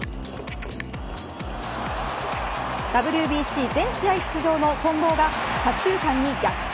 ＷＢＣ全試合出場の近藤が左中間に逆転